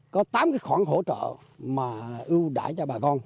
có tám khoản hỗ trợ mà ưu đãi cho bà con